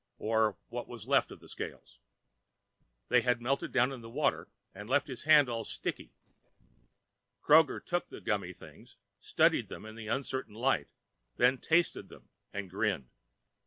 Or what was left of the scales. They had melted down in the water and left his hand all sticky. Kroger took the gummy things, studied them in the uncertain light, then tasted them and grinned.